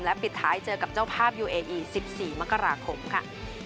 และปิดท้ายเจอกับเจ้าภาพยูเออีสิบสี่มกราคมค่ะ